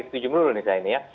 setuju melulu saya ini ya